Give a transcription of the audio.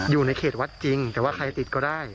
อยู่ในเขตวัดจริงแต่ว่าใครติดก็ได้